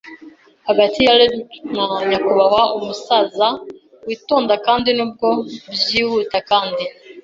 hagati ya Redruth na nyakubahwa umusaza witonda, kandi nubwo byihuta kandi